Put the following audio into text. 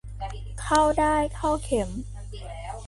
เข้าด้ายเข้าเข็ม